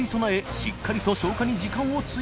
しっかりと磴靴